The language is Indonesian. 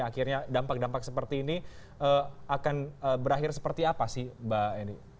akhirnya dampak dampak seperti ini akan berakhir seperti apa sih mbak eni